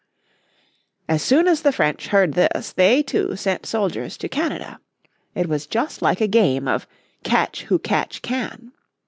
As so as the French heard this they, too, sent soldiers to Canada. It was just like a game of "Catch who catch can."